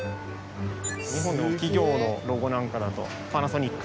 日本の企業のロゴなんかだと。